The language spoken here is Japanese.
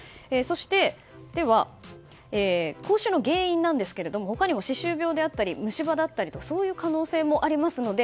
では口臭の原因なんですけれども他にも歯周病であったり虫歯だったりとそういう可能性もありますので。